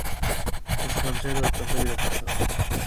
ওসমান সাহেব অত্যন্ত বিরক্ত হলেন।